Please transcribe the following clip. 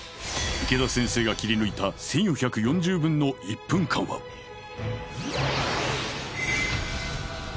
池田先生が切り抜いた１４４０分の１分間はええうわ